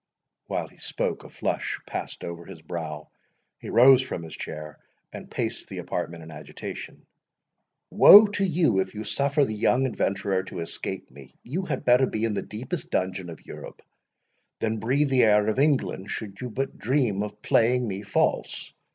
While he spoke, a flush passed over his brow, he rose from his chair, and paced the apartment in agitation. "Woe to you, if you suffer the young adventurer to escape me!—you had better be in the deepest dungeon in Europe, than breathe the air of England, should you but dream of playing me false.